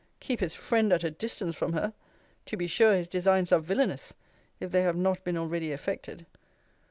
Keep his friend at a distance from her! To be sure his designs are villainous, if they have not been already effected.